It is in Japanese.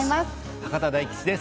博多大吉です。